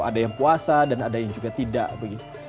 ada yang puasa dan ada yang juga tidak begitu